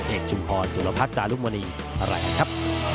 เอกชุมพรสุรพัชย์จารุมณีอะไรนะครับ